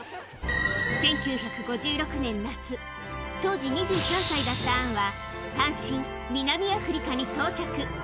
１９５６年夏、当時２３歳だったアンは、単身、南アフリカに到着。